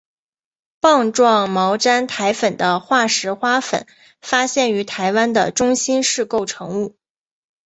棒状毛毡苔粉的化石花粉发现于台湾的中新世构成物。